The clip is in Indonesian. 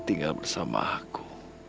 tinggal bersama aku